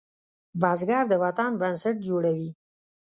بزګر د وطن بنسټ جوړوي